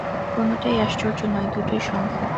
কোনোটাই আশ্চর্য নয়, দুটোই সম্ভব ।